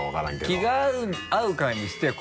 気が合う感じしたよ。